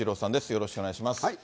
よろしくお願いします。